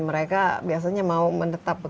mereka biasanya mau menetapkan